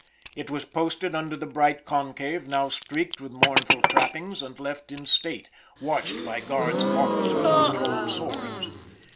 It was posted under the bright concave, now streaked with mournful trappings, and left in state, watched by guards of officers with drawn swords.